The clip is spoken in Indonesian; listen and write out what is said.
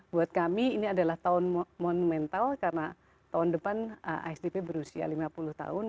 buat kami ini adalah tahun monumental karena tahun depan asdp berusia lima puluh tahun